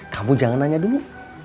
kamu jangan nanya dulu